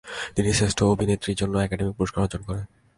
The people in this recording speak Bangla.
তিনি শ্রেষ্ঠ অভিনেত্রীর জন্য একাডেমি পুরস্কার অর্জন করেন।